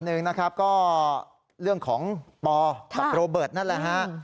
หนึ่งนะครับก็เรื่องของปอกับโรเบิร์ตนั่นแหละฮะ